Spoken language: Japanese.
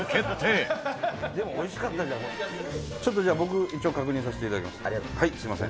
伊達：じゃあ、僕一応、確認させていただきます。